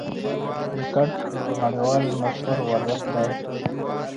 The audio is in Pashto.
کرکټ یو نړۍوال مشهور ورزش دئ.